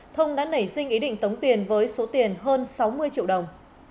thông đã nảy sinh ý định tống tiền với số tiền hơn sáu mươi triệu đồng